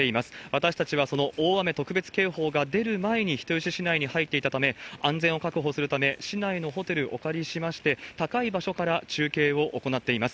私たちはその大雨特別警報が出る前に人吉市内に入っていたため、安全を確保するため、市内のホテルお借りしまして、高い場所から中継を行っています。